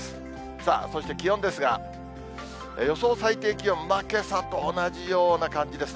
さあ、そして気温ですが、予想最低気温、けさと同じような感じですね。